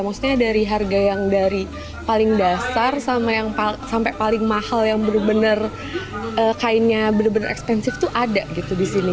maksudnya dari harga yang dari paling dasar sampai paling mahal yang bener bener kainnya bener bener ekspansif tuh ada gitu di sini